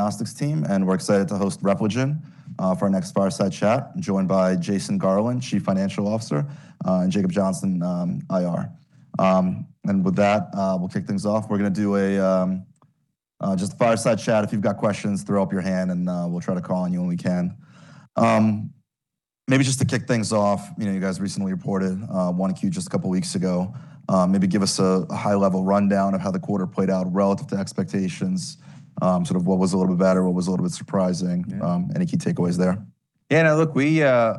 Diagnostics team, we're excited to host Repligen for our next fireside chat, joined by Jason Garland, Chief Financial Officer, and Jacob Johnson, IR. With that, we'll kick things off. We're gonna do just a fireside chat. If you've got questions, throw up your hand, we'll try to call on you when we can. Maybe just to kick things off, you know, you guys recently reported 1Q just a couple of weeks ago. Maybe give us a high-level rundown of how the quarter played out relative to expectations. Sort of what was a little bit better, what was a little bit surprising. Any key takeaways there?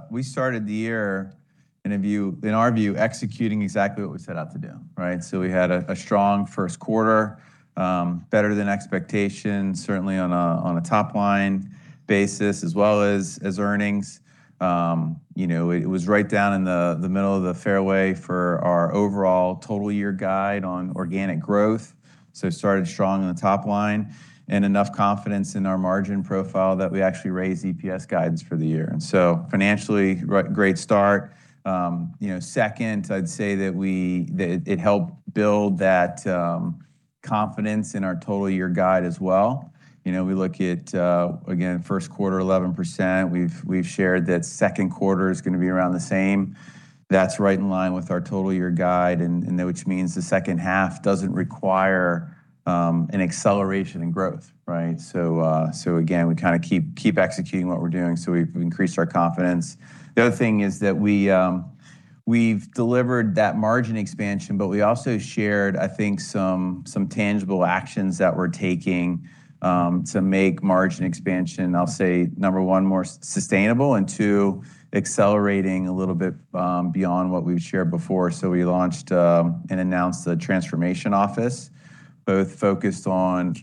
We started the year in our view, executing exactly what we set out to do, right? We had a strong first quarter, better than expectations, certainly on a top-line basis as well as earnings. You know, it was right down in the middle of the fairway for our overall total year guide on organic growth. Started strong on the top line and enough confidence in our margin profile that we actually raised EPS guidance for the year. Financially, great start. You know, second, I'd say that it helped build that confidence in our total year guide as well. You know, we look at, again, first quarter 11%. We've shared that second quarter is gonna be around the same. That's right in line with our total year guide and which means the second half doesn't require an acceleration in growth, right? Again, we kinda keep executing what we're doing, so we've increased our confidence. The other thing is that we've delivered that margin expansion, but we also shared, I think, some tangible actions that we're taking to make margin expansion, I'll say, number one, more sustainable, and two, accelerating a little bit beyond what we've shared before. We launched and announced the Transformation Office, both focused on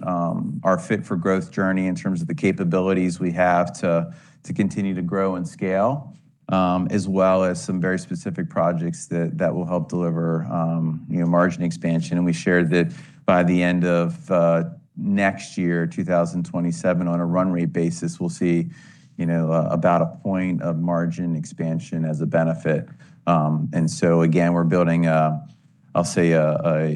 our Fit for Growth journey in terms of the capabilities we have to continue to grow and scale, as well as some very specific projects that will help deliver, you know, margin expansion. We shared that by the end of next year, 2027, on a run rate basis, we'll see, you know, about a point of margin expansion as a benefit. Again, we're building a, I'll say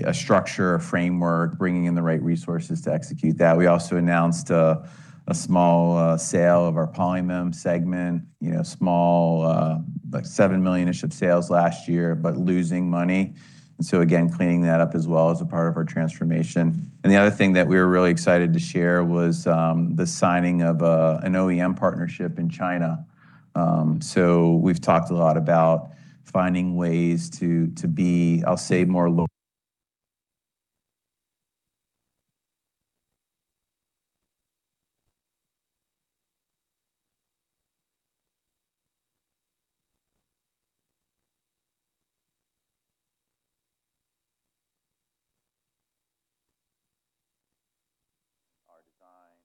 a structure, a framework, bringing in the right resources to execute that. We also announced a small sale of our Polymem segment, you know, small, like $7 million-ish of sales last year, but losing money. Again, cleaning that up as well as a part of our transformation. The other thing that we were really excited to share was the signing of an OEM partnership in China. We've talked a lot about finding ways to be, I'll say Our design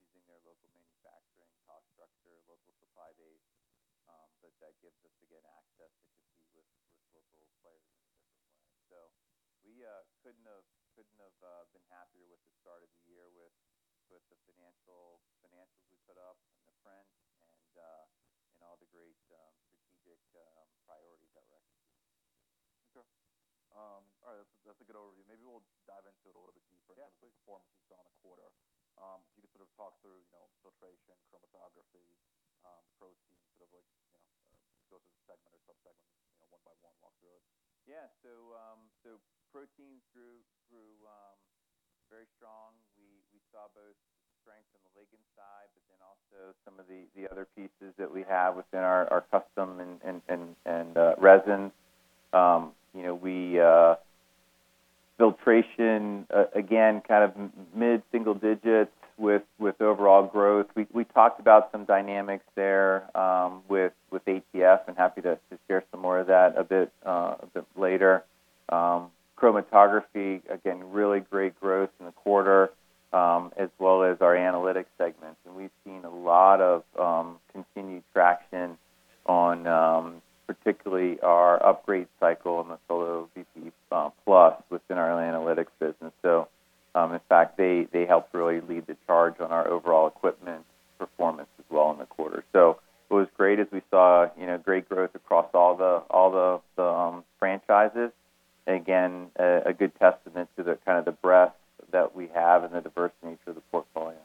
using their local manufacturing cost structure, local supply base, but that gives us, again, access to compete with local players in a different way. We couldn't have been happier with the start of the year with the financials we put up and the trends and all the great strategic priorities that we're executing. Okay. All right. That's a good overview. Maybe we'll dive into it a little bit deeper. Yeah, absolutely. into the performance based on the quarter. Can you sort of talk through, you know, filtration, chromatography, protein, sort of like, you know, go through the segment or sub-segments, you know, one by one, walk through it. Protein grew very strong. We saw both strength on the ligand side, but then also some of the other pieces that we have within our custom and resin. You know, we filtration again, kind of mid single digits with overall growth. We talked about some dynamics there with ATF, and happy to share some more of that a bit later. Chromatography again, really great growth in the quarter, as well as our analytics segments. We've seen a lot of continued traction on particularly our upgrade cycle and the SoloVPE PLUS within our analytics business. In fact, they helped really lead the charge on our overall equipment performance as well in the quarter. It was great as we saw, you know, great growth across all the franchises. Again, a good testament to the kind of the breadth that we have and the diversity through the portfolio.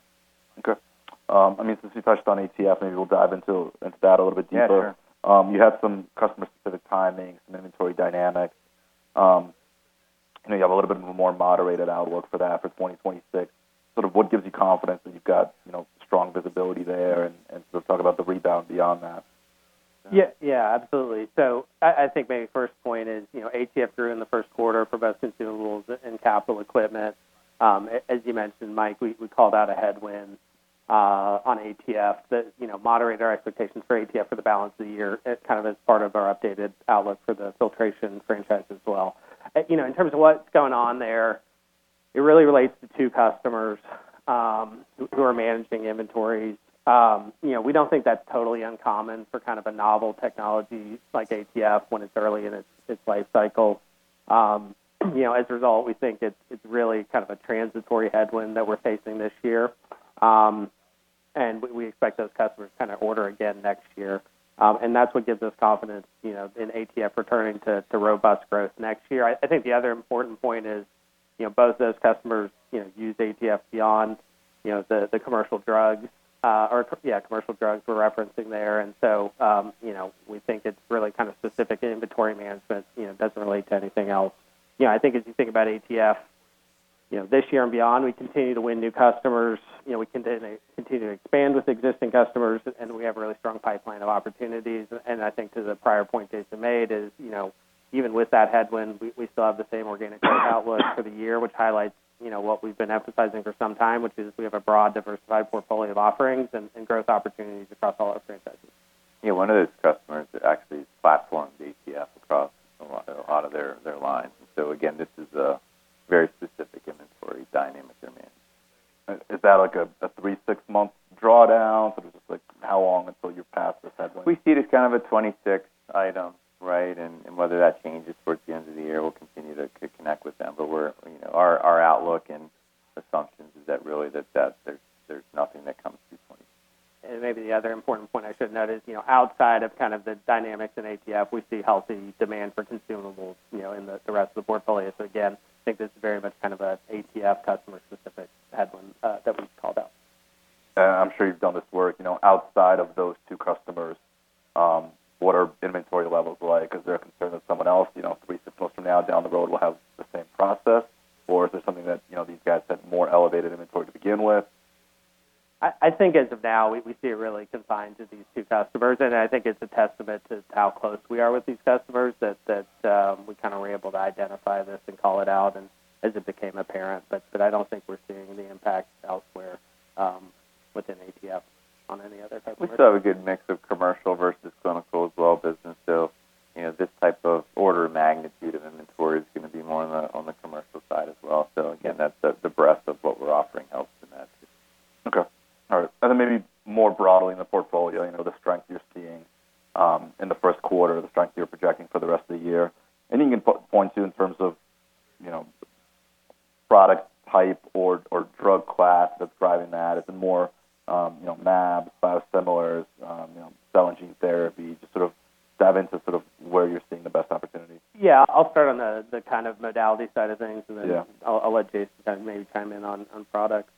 Okay. I mean, since you touched on ATF, maybe we'll dive into that a little bit deeper. Yeah, sure. You have some customer-specific timing, some inventory dynamics. You know, you have a little bit of a more moderated outlook for that for 2026. Sort of what gives you confidence that you've got, you know, strong visibility there and sort of talk about the rebound beyond that? Yeah, yeah, absolutely. I think my first point is, you know, ATF grew in the first quarter from both consumables and capital equipment. As you mentioned, Mike, we called out a headwind on ATF that, you know, moderated our expectations for ATF for the balance of the year as kind of as part of our updated outlook for the filtration franchise as well. You know, in terms of what's going on there, it really relates to two customers who are managing inventories. You know, we don't think that's totally uncommon for kind of a novel technology like ATF when it's early in its life cycle. We expect those customers to kind of order again next year. That's what gives us confidence, you know, in ATF returning to robust growth next year. I think the other important point is, you know, both those customers, you know, use ATF beyond, you know, the commercial drugs, or commercial drugs we're referencing there. You know, we think it's really kind of specific inventory management, you know, doesn't relate to anything else. You know, I think as you think about ATF, you know, this year and beyond, we continue to win new customers. You know, we continue to expand with existing customers, and we have a really strong pipeline of opportunities. I think to the prior point Jason made is, you know, even with that headwind, we still have the same organic growth outlook for the year, which highlights, you know, what we've been emphasizing for some time, which is we have a broad, diversified portfolio of offerings and growth opportunities across all our franchises. Yeah. One of those customers actually is platforming ATF across a lot of their lines. Again, this is a very specific inventory dynamic they're managing. Is that like a three, six-month drawdown? Sort of just like how long until you're past this headwind? We see it as kind of a 2026 item, right? Whether that changes towards the end of the year, we'll continue to connect with them. We're, you know, our outlook and assumptions is that really that there's nothing that comes through point. Maybe the other important point I should note is, you know, outside of kind of the dynamics in ATF, we see healthy demand for consumables, you know, in the rest of the portfolio. Again, I think this is very much kind of a ATF customer-specific headwind that we called out. I'm sure you've done this work, you know, outside of those two customers, what are inventory levels like? Is there a concern that someone else, you know, three, six months from now down the road will have the same process? Is this something that, you know, these guys had more elevated inventory to begin with? I think as of now, we see it really confined to these two customers. I think it's a testament to how close we are with these customers that we kind of were able to identify this and call it out as it became apparent. I don't think we're seeing the impact elsewhere within ATF on any other customers. We still have a good mix of commercial versus clinical as well, business. You know, this type of order magnitude of inventory is gonna be more on the commercial side as well. Again, the breadth of what we're offering helps in that too. Okay. All right. Maybe more broadly in the portfolio, you know, the strength you're seeing, in the first quarter, the strength you're projecting for the rest of the year. Anything you can point to in terms of, you know, product type or drug class that's driving that? Is it more, you know, mAbs, biosimilars, you know, cell and gene therapy? Just sort of dive into sort of where you're seeing the best opportunities. Yeah. I'll start on the kind of modality side of things. Then I'll let Jason kind of maybe chime in on products.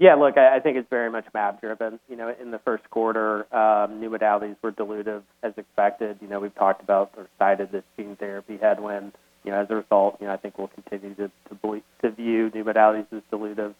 Yeah, look, I think it's very much mAb driven. You know, in the first quarter, new modalities were dilutive as expected. You know, we've talked about or cited this gene therapy headwind. You know, as a result, you know, I think we'll continue to view new modalities as dilutive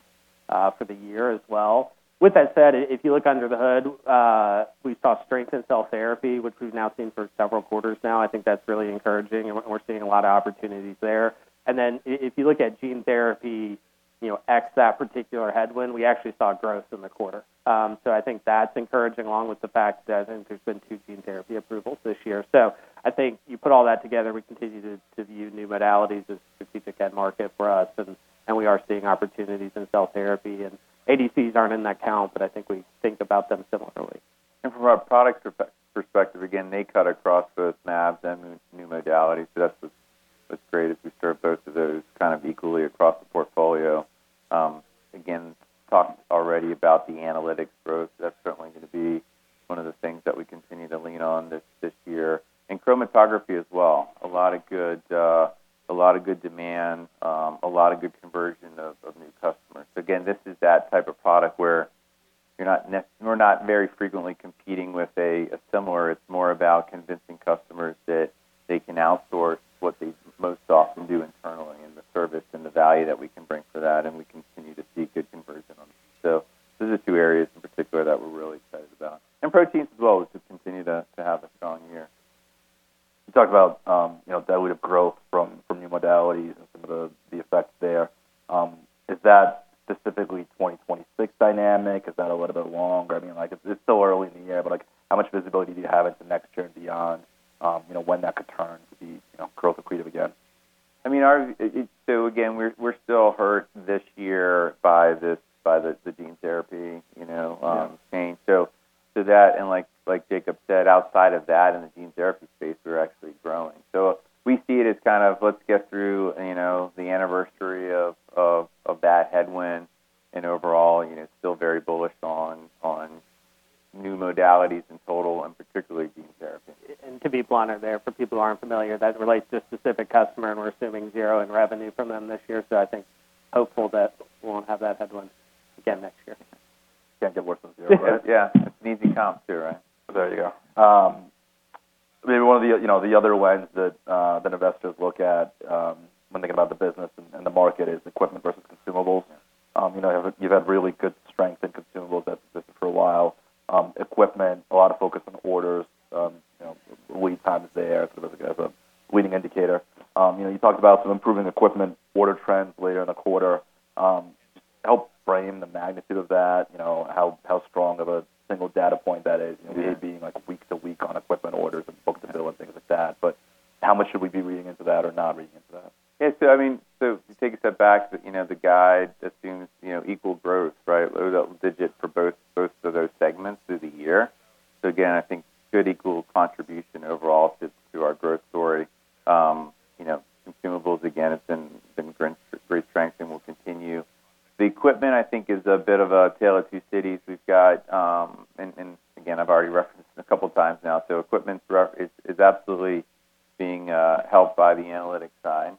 for the year as well. With that said, if you look under the hood, we saw strength in cell therapy, which we've now seen for several quarters now. I think that's really encouraging and we're seeing a lot of opportunities there. Then if you look at gene therapy, you know, ex that particular headwind, we actually saw growth in the quarter. I think that's encouraging along with the fact that I think there's been two gene therapy approvals this year. I think you put all that together, we continue to view new modalities as a strategic end market for us, and we are seeing opportunities in cell therapy. ADCs aren't in that count, but I think we think about them similarly. From a product perspective, again, they cut across both mAbs and new modalities. That's what's great is we serve both of those kind of equally across the portfolio. Again, talked already about the analytics growth. That's certainly gonna be one of the things that we continue to lean on this year. Chromatography as well, a lot of good demand, a lot of good conversion of new customers. Again, this is that type of product where you're not we're not very frequently competing with a similar. It's more about convincing customers that they can outsource what they most often do internally, and the service and the value that we can bring for that, and we lead times there sort of as a leading indicator. You know, you talked about some improving equipment order trends later in the quarter. Just help frame the magnitude of that, you know, how strong of a single data point that is. You know, maybe being like week to week on equipment orders and book-to-bill and things like that. How much should we be reading into that or not reading into that? Yeah. If you take a step back, you know, the guide assumes, you know, equal growth, right? Low double digit for both of those segments through the year. Again, I think good equal contribution overall to our growth story. You know, consumables again, it's been great strength and will continue. The equipment I think is a bit of a tale of two cities. We've got, again, I've already referenced this a couple times now. Equipment's absolutely being helped by the analytics side.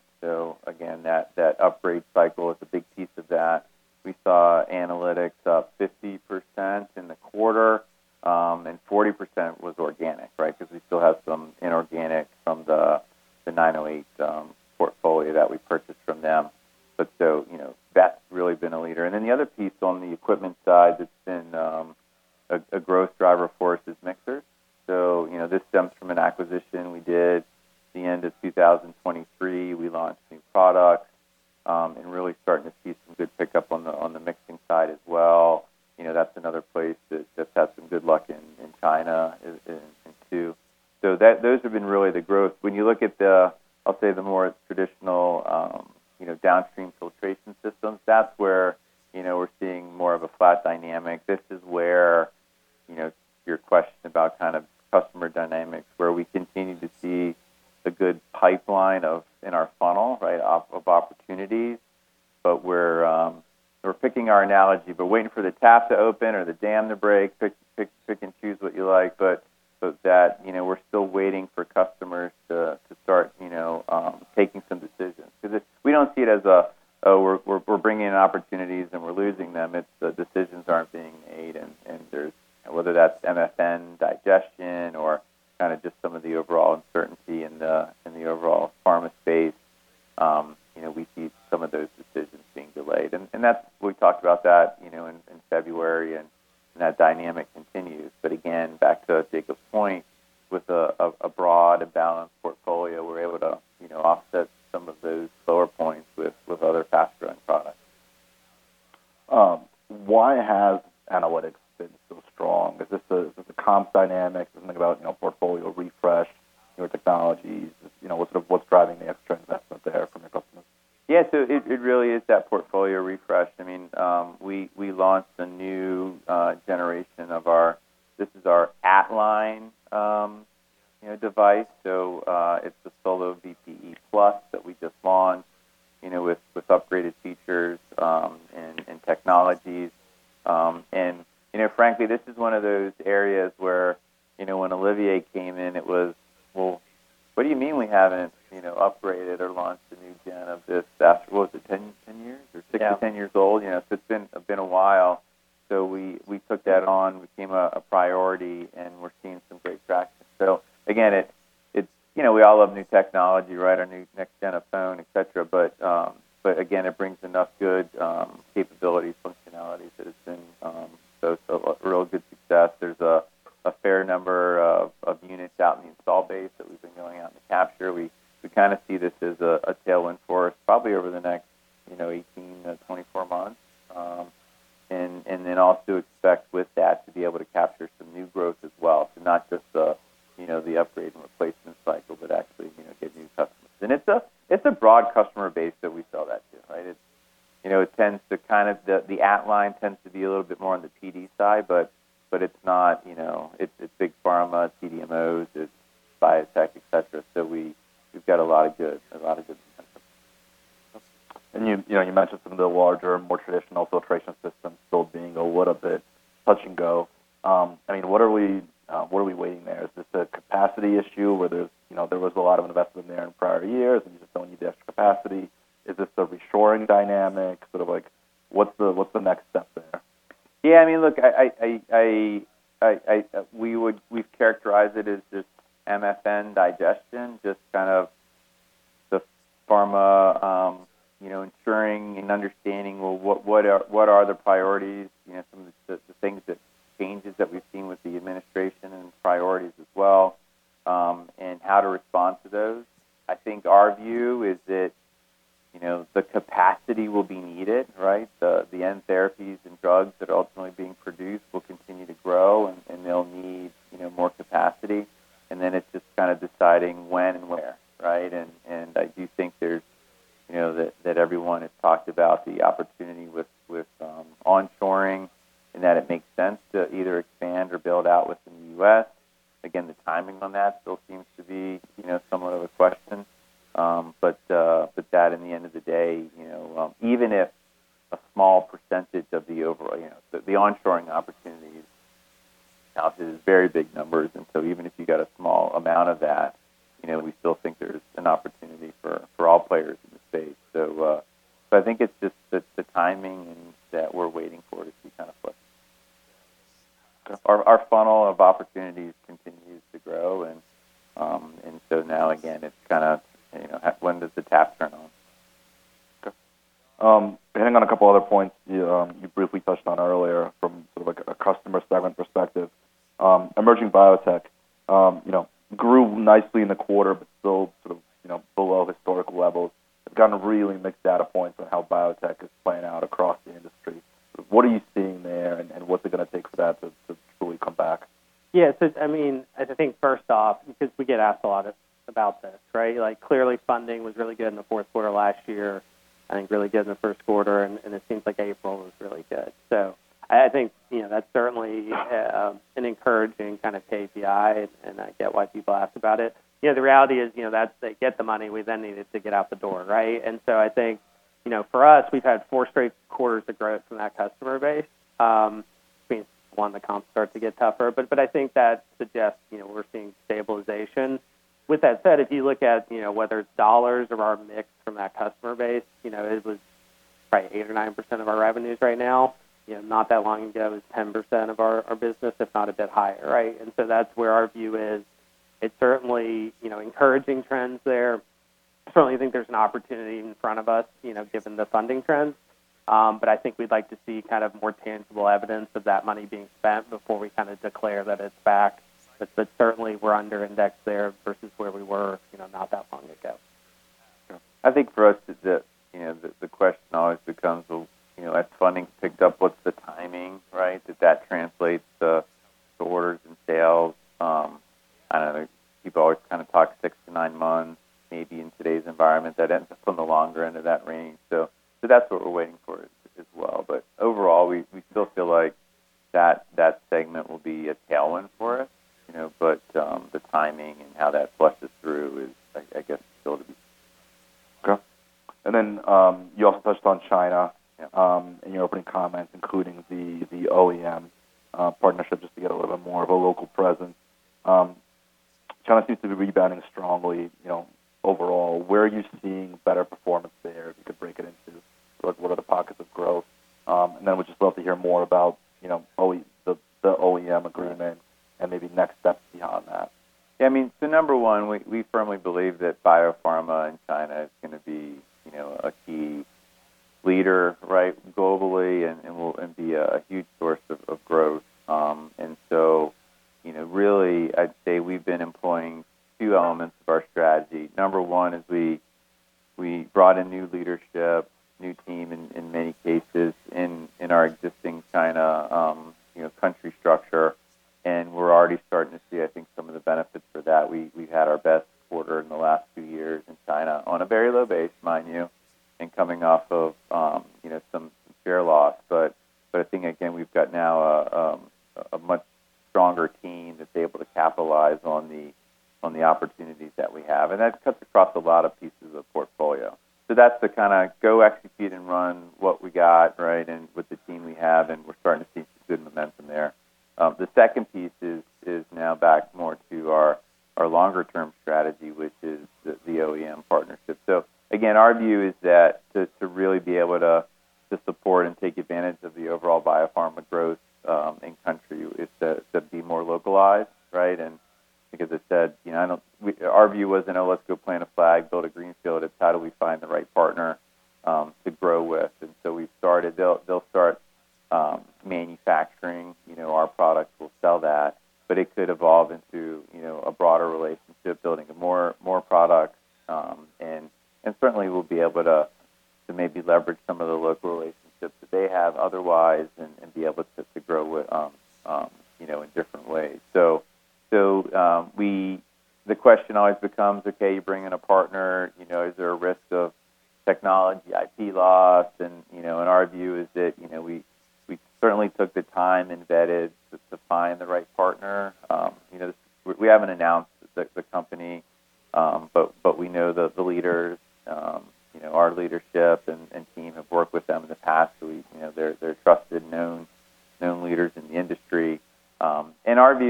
Again, that upgrade cycle is a big piece of that. We saw analytics up 50% in the quarter, and 40% was organic, right? Because we still have some inorganic from the 908 Devices portfolio that we purchased from them. You know, that's really been a leader. Then the other piece on the equipment side that's been a growth driver for us is mixers. You know, this stems from an acquisition we did the end of 2023. We launched new products and really starting to see some good pickup on the, on the mixing side as well. You know, that's another place that's had some good luck in China, in too. Those have been really the growth. When you look at the, I'll say the more traditional, you know, downstream filtration systems, that's where, you know, we're seeing more of a flat dynamic. This is where, you know, your question about kind of customer dynamics, where we continue to see a good pipeline in our funnel, right? Of opportunities. We're picking our analogy, but waiting for the tap to open or the dam to break. Pick and choose what you like. You know, we're still waiting for customers to start, you know, taking some decisions. We don't see it as a, "Oh, we're bringing in opportunities and we're losing them." It's the decisions aren't being made and there's Whether that's M&A digestion or kind of just some of the overall uncertainty in the overall pharma space, you know, we see some of those decisions being delayed. That's, we talked about that, you know, in February, and that dynamic continues. Again, back to Jacob's point, with a broad and balanced portfolio, we're able to, you know, offset some of those lower points with other fast-growing products. Why has analytics been so strong? Is this a comp dynamic? Something about, you know, portfolio refresh, newer technologies? You know, what's driving the extra investment there from your customers? Yeah. It really is that portfolio refresh. you know, that everyone has talked about the opportunity with onshoring, and that it makes sense to either expand or build out within the U.S. The timing on that still seems to be, you know, somewhat of a question. That in the end of the day, you know, even if a small percentage of the overall, you know, the onshoring opportunities now is very big numbers. Even if you got a small amount of that, you know, we still think there's an opportunity for all players in the space. I think it's just the timing and that we're waiting for to see kind of what our funnel of opportunities continues to grow. Now again it's kind of, you know, when does the tap turn on? Hanging on a couple other points you briefly touched on earlier from sort of like a customer segment perspective. Emerging biotech, you know, grew nicely in the quarter but still sort of, you know, below historical levels. We've gotten really mixed data points on how biotech is playing out across the industry. What are you seeing there, and what's it gonna take for that to fully come back? Yeah. I mean, I think first off, because we get asked a lot about this, right? Clearly funding was really good in the fourth quarter last year. I think really good in the first quarter, and it seems like April was really good. I think, you know, that's certainly an encouraging kind of KPI, and I get why people ask about it. You know, the reality is, you know, they get the money, we then need it to get out the door, right? I think, you know, for us, we've had four straight quarters of growth from that customer base. I mean, one, the comps start to get tougher, but I think that suggests, you know, we're seeing stabilization. With that said, if you look at, you know, whether it's U.S. dollars or our mix from that customer base, you know, it was probably 80% or 90% of our revenues right now. You know, not that long ago, it was 10% of our business, if not a bit higher, right? That's where our view is. It's certainly, you know, encouraging trends there. Certainly think there's an opportunity in front of us, you know, given the funding trends. I think we'd like to see kind of more tangible evidence of that money being spent before we kind of declare that it's back. Certainly we're under indexed there versus where we were, you know, not that long ago. Yeah. I think for us, you know, the question always becomes, well, you know, as funding's picked up, what's the timing, right? Does that translate to orders and sales? I don't know. People always kind of talk six to nine months, maybe in today's environment, that ends up on the longer end of that range. That's what we're waiting for as well. Overall, we still feel like that segment will be a tailwind for us, you know. The timing and how that flushes through is, I guess, still to be seen. Okay. You also touched on China In your opening comments, including the OEM partnership, just to get a little bit more of a local presence. China seems to be rebounding strongly, you know, overall. Where are you seeing better performance there, if you could break it into like what are the pockets of growth? Would just love to hear more about, you know, the OEM agreement and maybe next steps beyond that. Yeah, I mean, number one, we firmly believe that biopharma in China is gonna be, you know, a key leader, right, globally and will be a huge source of growth.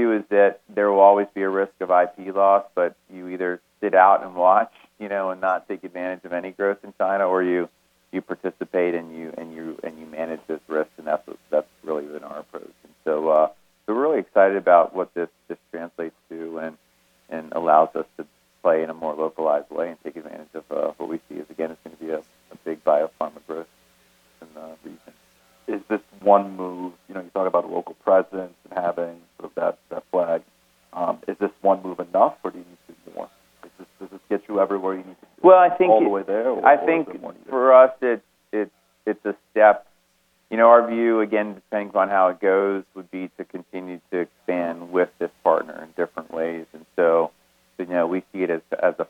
loss? You know, and our view is that, you know, we certainly took the time and vetted to find the right partner. You know, we haven't announced the company, but we know the leaders. You know, our leadership and team have worked with them in the past. You know, they're trusted, known leaders in the industry. Our view is that there will always be a risk of IP loss, but you either sit out and watch, you know, and not take advantage of any growth in China, or you participate and you manage this risk, and that's really been our approach. We're really excited about what this translates to and allows us to play in a more localized way and take advantage of what we see is again, is going to be a big biopharma growth in the region. You know, you talked about a local presence and having sort of that flag. Is this one move enough or do you need to do more? Does this get you everywhere you need to be? Well, I think. All the way there or is there more you need? I think for us it's a step. You know, our view, again, depending on how it goes, would be to continue to expand with this partner in different ways. You know, we see it as a first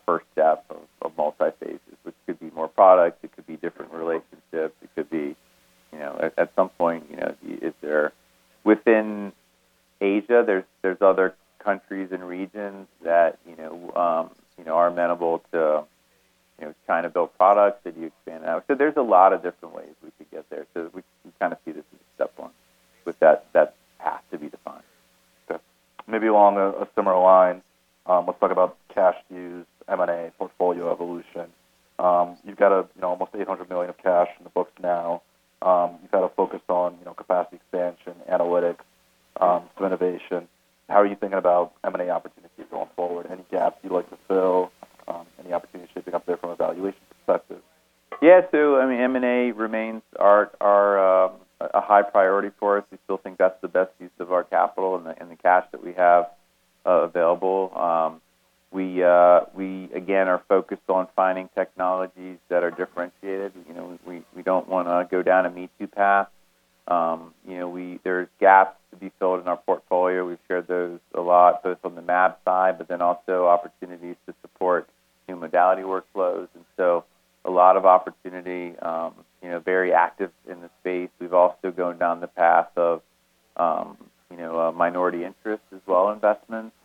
you know, minority interest as well, investments.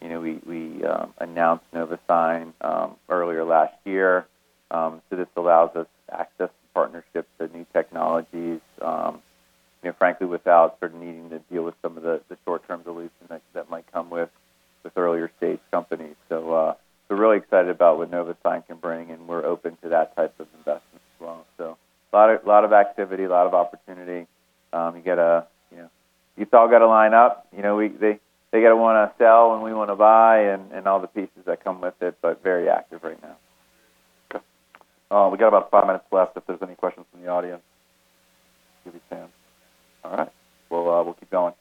You know, we announced Novasign earlier last year. This allows us access to partnerships and new technologies, you know, frankly, without sort of needing to deal with some of the short-term dilution that might come with earlier stage companies. Really excited about what Novasign can bring, and we're open to that type of investment as well. A lot of, lot of activity, a lot of opportunity. You know, it's all got to line up. You know, they got to want to sell when we want to buy and all the pieces that come with it, but very active right now. Okay. We got about five minutes left if there's any questions from the audience. Give you a chance. All right. Well, we'll keep going.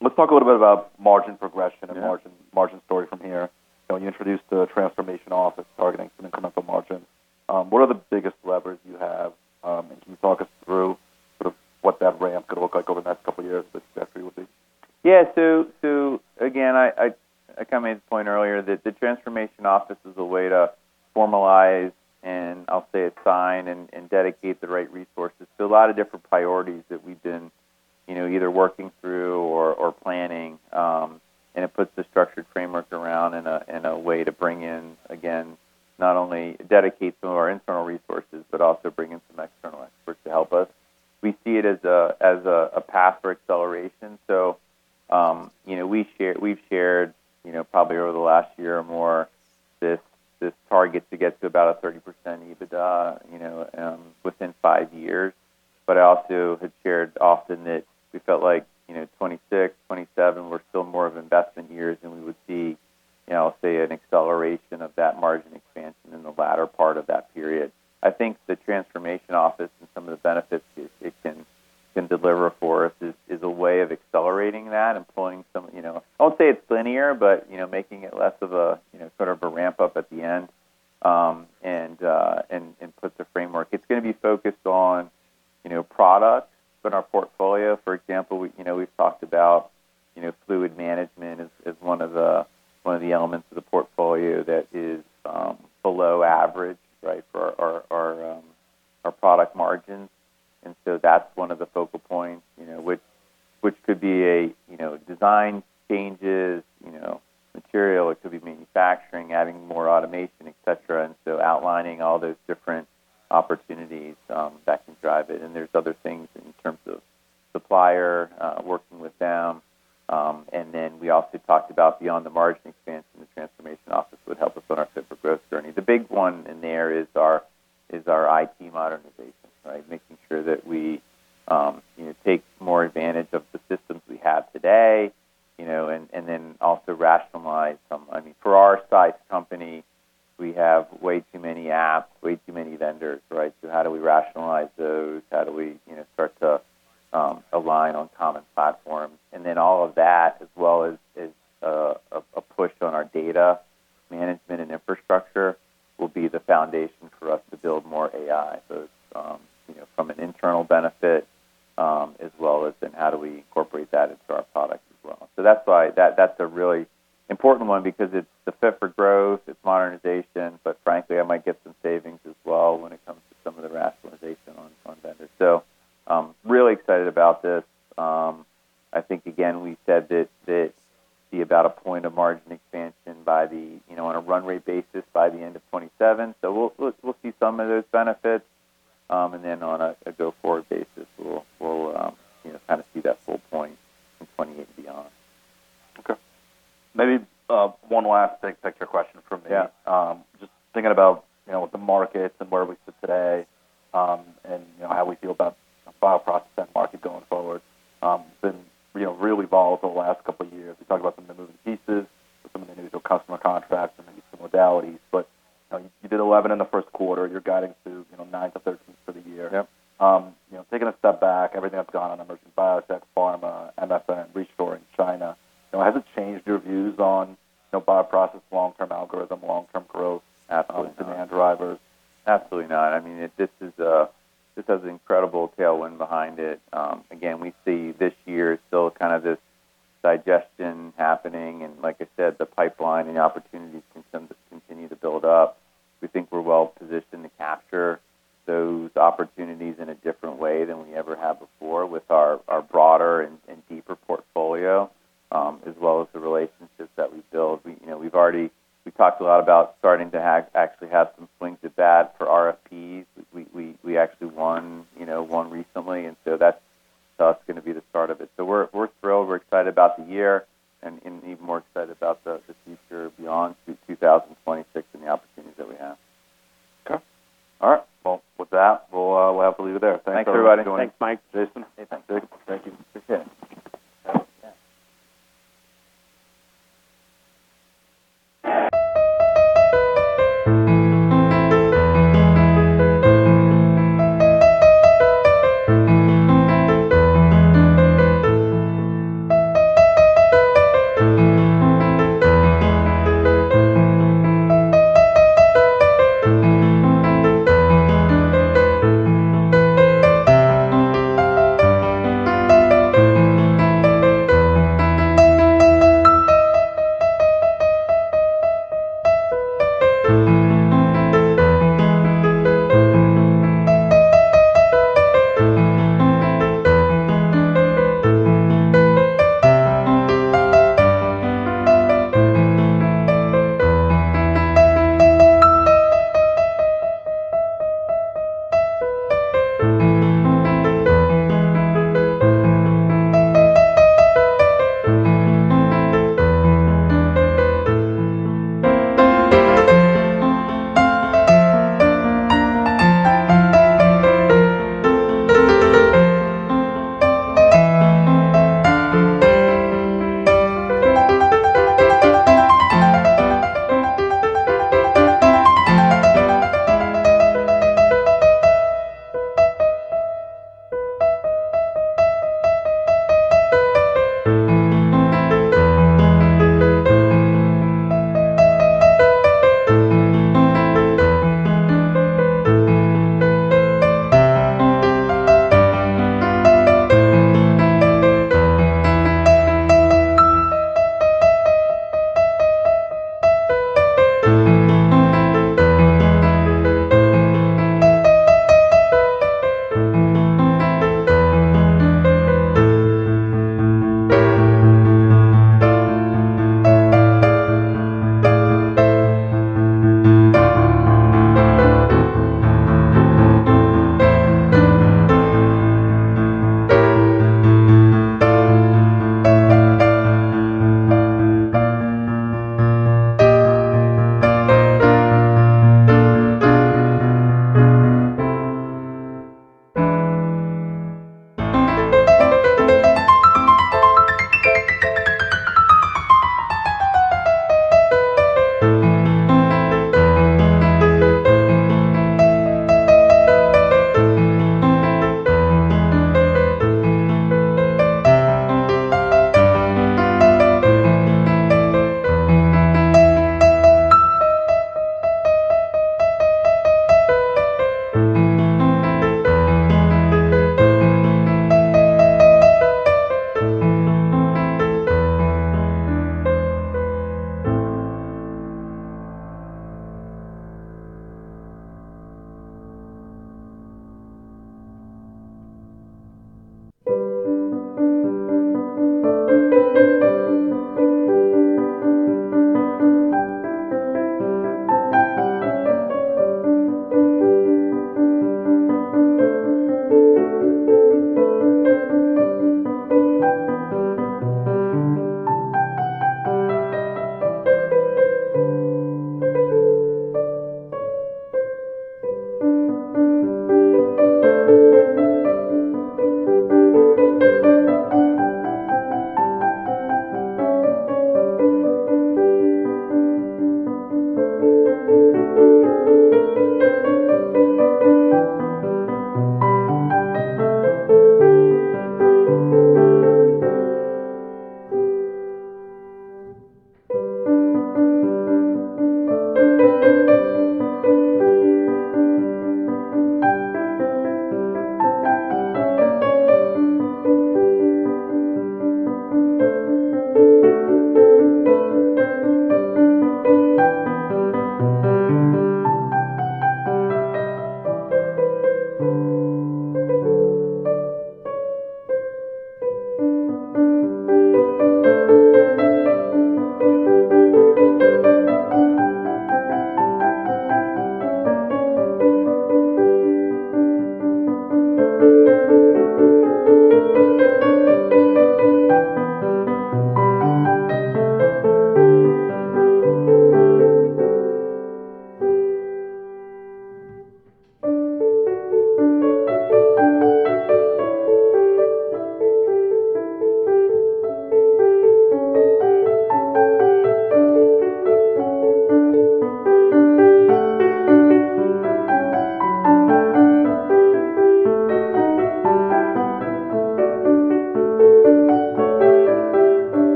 Let's talk a little bit about margin progression. Margin story from here. You know, you introduced the transformation office targeting some incremental margins. What are the biggest levers you have? Can you talk us through sort of what that ramp could look like over the next couple of years, the trajectory would be? Again, I kind of made this point earlier that the transformation office is a way to formalize and I'll say assign and dedicate the right resources to a lot of different priorities that we've been, you know, either working through or planning. It puts the structured framework around in a way to bring in, again, not only dedicate some of our internal resources, but also bring in some external experts to help us. We see it as a path for acceleration. You know, we've shared, you know, probably over the last year or more this target to get to about a 30% EBITDA, you know, within five years. I also have shared often that we felt like, you know, 2026, 2027 were still more of investment years, and we would see, you know, say an acceleration of that margin expansion in the latter part of that period. I think the Transformation Office and some of the benefits it can deliver for us is a way of accelerating that employing some, you know, I won't say it's linear, but you know, making it less of a, you know, sort of a ramp-up at the end, and put the framework. It's going to be focused on, you know, products in our portfolio. For example, we, you know, we've talked about, as well as the relationships that we build. We, you know, we've talked a lot about starting to actually have some swings at bat for RFPs. We actually won, you know, won recently, and so that's gonna be the start of it. We're thrilled. We're excited about the year and even more excited about the future beyond to 2026 and the opportunities that we have. Okay. All right. We'll have to leave it there. Thanks everybody. Thanks, Mike.